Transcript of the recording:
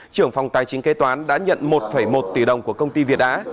trưởng phòng tài chính kế toán đã nhận một một tỷ đồng của công ty việt á